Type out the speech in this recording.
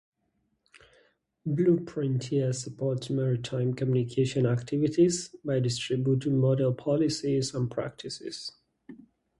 Blue Frontier supports maritime community activists by distributing model policies and practices.